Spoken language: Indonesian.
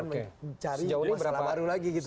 sejauh ini berapa